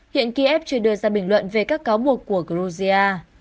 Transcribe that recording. hiện kiev chưa đưa ra bình luận về các cáo buộc của georgia